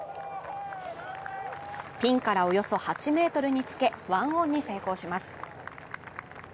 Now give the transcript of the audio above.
ピンからおよそ８ｍにつけ、１オンに成功します。